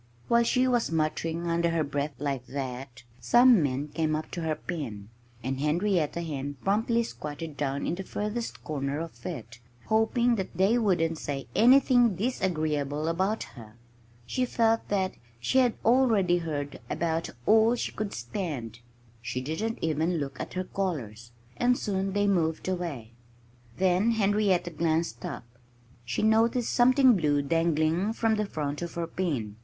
While she was muttering under her breath like that some men came up to her pen. And Henrietta Hen promptly squatted down in the furthest corner of it, hoping they wouldn't say anything disagreeable about her. She felt that she had already heard about all she could stand. She didn't even look at her callers. And soon they moved away. Then Henrietta glanced up. She noticed something blue dangling from the front of her pen.